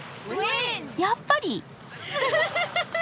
やっぱり！